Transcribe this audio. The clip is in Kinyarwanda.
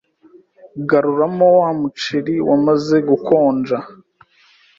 garura mo wa muceri wamaze gukonja